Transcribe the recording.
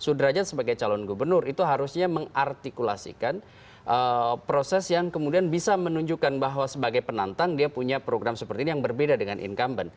sudrajat sebagai calon gubernur itu harusnya mengartikulasikan proses yang kemudian bisa menunjukkan bahwa sebagai penantang dia punya program seperti ini yang berbeda dengan incumbent